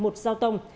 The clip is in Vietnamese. một dao tông